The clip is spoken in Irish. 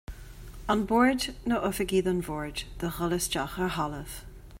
An Bord nó oifigigh don Bhord do dhul isteach ar thalamh.